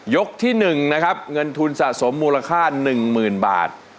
ที่๑นะครับเงินทุนสะสมมูลค่า๑๐๐๐บาท